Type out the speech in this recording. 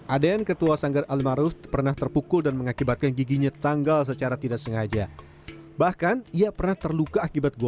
aden ketua sanggar almarhum pernah terpukul dan mengakibatkan giginya tanggal secara tidak sengaja